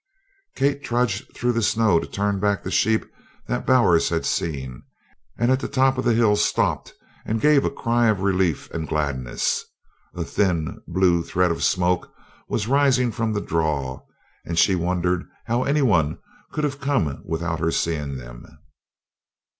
Kate trudged through the snow to turn back the sheep that Bowers had seen, and at the top of the hill stopped and gave a cry of relief and gladness. A thin blue thread of smoke was rising from the "draw" and she wondered how anyone could have come without her seeing them.